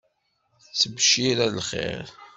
D ttebcira l-lxiṛ.